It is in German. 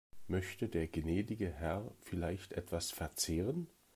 Möchte der gnädige Herr vielleicht etwas verzehren?